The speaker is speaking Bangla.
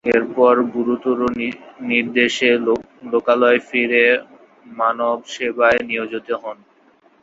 এর পর গুরুর নির্দেশে লোকালয়ে ফিরে মানবসেবায় নিয়োজিত হন।